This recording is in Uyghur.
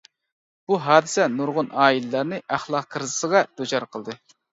بۇ ھادىسە نۇرغۇن ئائىلىلەرنى ئەخلاق كىرىزىسىغا دۇچار قىلدى.